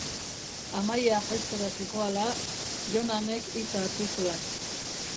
Amaia jaistera zihoala, Jonanek hitza hartu zuen.